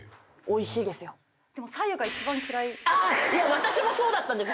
私もそうだったんです。